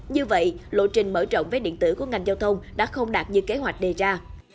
như vậy lộ trình mở rộng vé điện tử của ngành giao thông đã không đạt như kế hoạch đề ra